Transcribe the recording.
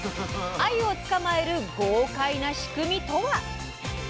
あゆを捕まえる豪快な仕組みとは？